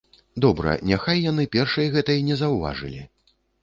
Добра, няхай яны першай гэтай не заўважылі.